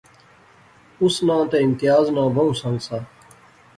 اس ناں تہ امتیاز ناں بہوں سنگ سا